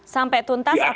sampai tuntas atau